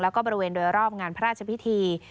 แล้วก็บริเวณโดยรอบงานพระราชพิธี